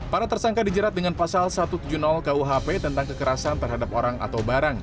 para tersangka dijerat dengan pasal satu ratus tujuh puluh kuhp tentang kekerasan terhadap orang atau barang